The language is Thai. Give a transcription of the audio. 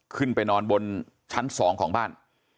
ขึ้นไปนอนบนชั้น๒ของบ้าน